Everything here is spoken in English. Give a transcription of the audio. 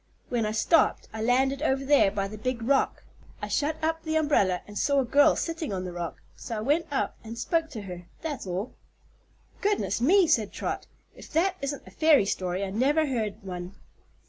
When I stopped I landed over there by the big rock. I shut up the umbrella and saw a girl sitting on the rock, so I went up and spoke to her. That's all." "Goodness me!" said Trot; "if that isn't a fairy story I never heard one."